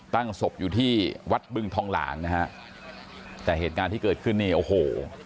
ตั้งศพอยู่ที่วัดบึงทองหลางนะฮะแต่เหตุการณ์ที่เกิดขึ้นนี่โอ้โห